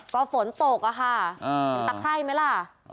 ก็ฝนตกอะค่ะตับไข้ไหมล่ะ